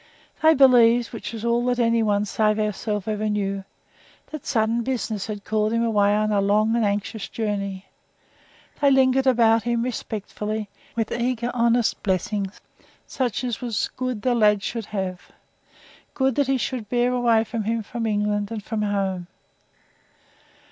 They believed which was all that any one, save ourselves, ever knew that sudden business had called him away on a long and anxious journey. They lingered about him, respectfully, with eager, honest blessings, such as it was good the lad should have good that he should bear away with him from England and from home.